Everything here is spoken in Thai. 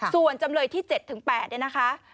ส่วนจำเลยที่๗๘เนี่ยนะคะ